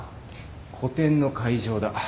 個展の会場だ。